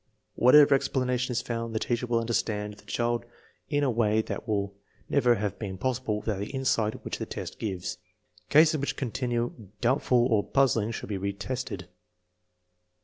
What ever explanation is found, the teacher will understand the child in a way that would never have been possible without the insight which the test gives. Cases which continue doubtful or puzzling should be re tested.